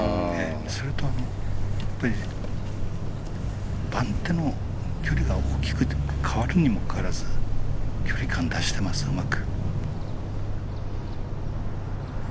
それと、番手の距離が大きくても変わるにもかかわらず距離感出してます、うまく。